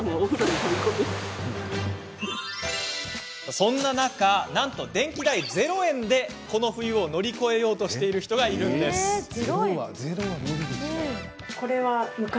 そんな中なんと電気代０円でこの冬を乗り越えようとしている人がいるんです。